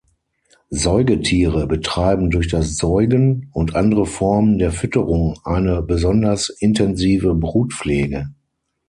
Säugetiere betreiben durch das Säugen und andere Formen der Fütterung eine besonders intensive Brutpflege.